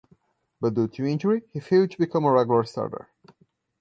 But due to injury, he failed to become a regular starter.